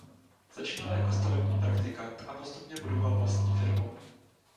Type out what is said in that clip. Začínal jako stavební praktikant a postupně budoval vlastní firmu.